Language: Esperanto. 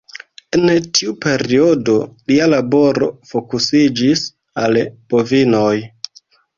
En tiu periodo lia laboro fokusiĝis al bovinoj.